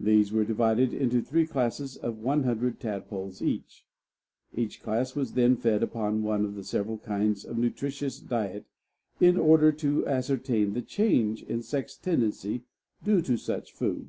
These were divided into three classes of 100 tadpoles each. Each class was then fed upon one of several kinds of nutritious diet in order to ascertain the change in sex tendency due to such food.